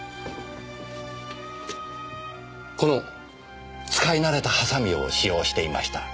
この使い慣れたハサミを使用していました。